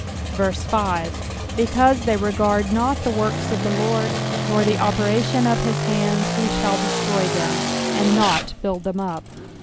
5 Because they regard not the works of the LORD, nor the opera tion of his hands, he shall destroy them, and not build them up.